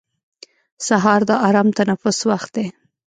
سهار د ارام تنفس وخت دی.